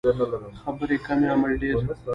خبرې کمې عمل ډیر